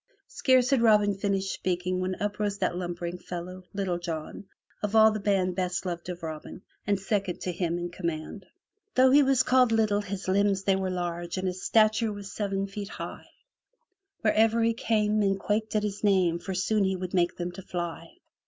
Scarce had Robin Hood finished speaking when up rose that lumbering fellow. Little John, of all the band best loved of Robin, and second to him in command. 52 FROM THE TOWER WINDOW Though he was called little, his limbs they were large. And his stature was seven foot high; Wherever he came, men quaked at his name. For soon he would make them to fly.